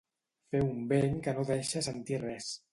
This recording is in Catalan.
Fer un vent que no deixa sentir res.